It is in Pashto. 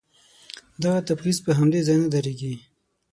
دغه تبعيض په همدې ځای نه درېږي.